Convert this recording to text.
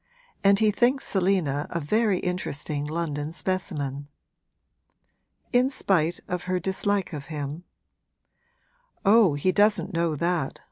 'And he thinks Selina a very interesting London specimen.' 'In spite of her dislike of him?' 'Oh, he doesn't know that!'